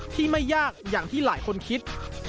ไม่ยากอย่างที่หลายคนคิด